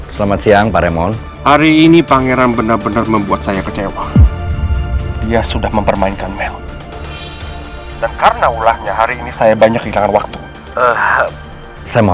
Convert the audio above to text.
sampai jumpa di video selanjutnya